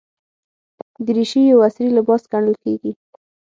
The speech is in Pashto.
دریشي یو عصري لباس ګڼل کېږي.